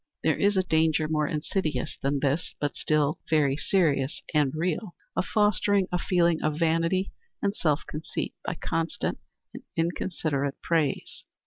There is a danger more insidious than this, but still very serious and real, of fostering a feeling of vanity and self conceit by constant and inconsiderate praise.